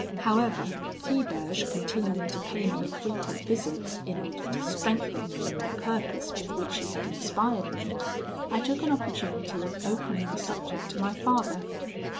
"However, Tiberge continuing to pay me frequent visits in order to strengthen me in the purpose with which he had inspired me, I took an opportunity of opening the subject to my father.